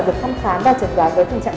được thăm khám và trật đoán với tình trạng